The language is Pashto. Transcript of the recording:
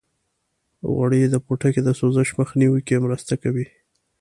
غوړې د پوټکي د سوزش مخنیوي کې مرسته کوي.